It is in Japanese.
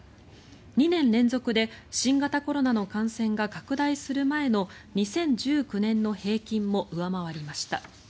２年連続で新型コロナの感染が拡大する前の２０１９年の平均も上回りました。